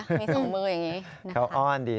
มีสองมืออย่างนี้